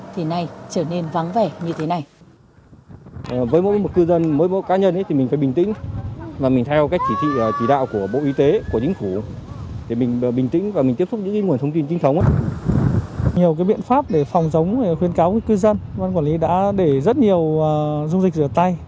thì nay trở nên vắng vẻ như thế này